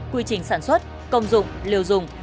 quy trình sản xuất công dụng liều dùng